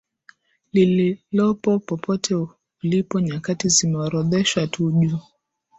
lililopo popote ulipo Nyakati zimeorodheshwa tu juu